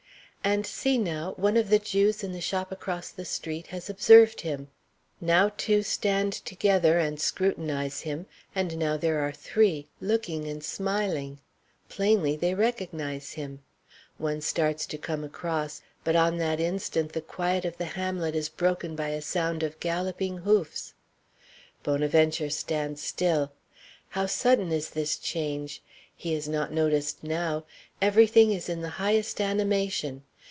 And see, now. One of the Jews in the shop across the street has observed him. Now two stand together and scrutinize him; and now there are three, looking and smiling. Plainly, they recognize him. One starts to come across, but on that instant the quiet of the hamlet is broken by a sound of galloping hoofs. Bonaventure stands still. How sudden is this change! He is not noticed now; every thing is in the highest animation.